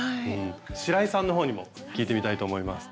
白井さんの方にも聞いてみたいと思います。